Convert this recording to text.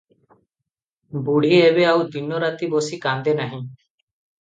ବୁଢ଼ୀ ଏବେ ଆଉ ଦିନ ରାତି ବସି କାନ୍ଦେ ନାହିଁ ।